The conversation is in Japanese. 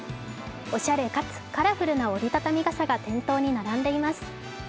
おしゃれつかつカラフルな折り畳み傘が店頭に並んでいます。